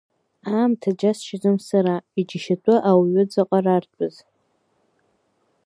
Аамҭа џьасшьаӡом сара, иџьашьатәуп ауҩы дзаҟрартәыз!